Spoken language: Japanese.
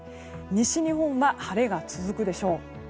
西日本は晴れが続くでしょう。